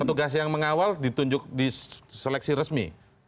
petugas yang mengawal ditunjuk di seleksi resmi